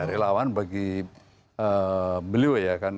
relawan bagi beliau ya kan